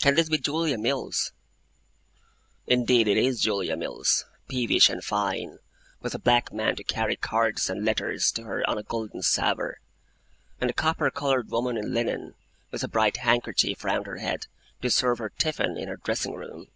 Can this be Julia Mills? Indeed it is Julia Mills, peevish and fine, with a black man to carry cards and letters to her on a golden salver, and a copper coloured woman in linen, with a bright handkerchief round her head, to serve her Tiffin in her dressing room.